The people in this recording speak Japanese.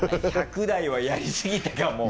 「１００台はやりすぎたかも」。